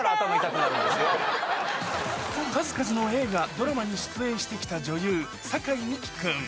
数々の映画、ドラマに出演してきた女優、酒井美紀君。